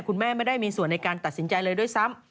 คุณแม่ไม่ได้มีส่วนในการตัดสินใจเลยด้วยซ้ำ